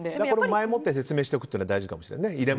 前もって説明しておくというのは大事かもしれませんね。